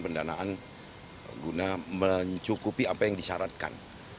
pendanaan guna mencukupi apa yang disyaratkan